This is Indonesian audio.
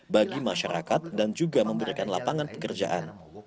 bagi masyarakat dan juga memberikan lapangan pekerjaan